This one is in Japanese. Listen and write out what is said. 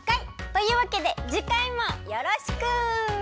というわけでじかいもよろしく！